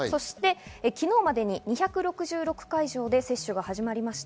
昨日までに２６６会場で接種が始まりました。